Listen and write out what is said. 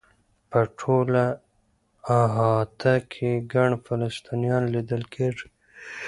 په ټوله احاطه کې ګڼ فلسطینیان لیدل کېږي.